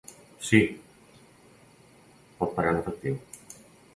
Si, pot pagar en efectiu.